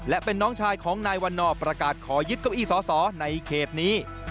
และเป็นน้องชายของนายวันนอร์ประกาศขอยึดเก้าอี้สอสอในเขตนี้